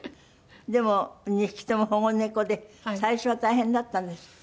でも２匹とも保護猫で最初は大変だったんですって？